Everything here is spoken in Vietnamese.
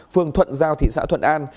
phường thuận giao thị xã thuận an